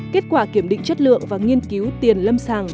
kết quả kiểm định chất lượng và nghiên cứu tiền lâm sàng